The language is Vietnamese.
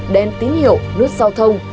đen tín hiệu nút giao thông